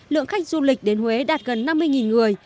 lượng khách du lịch đến huế đạt gần năm mươi người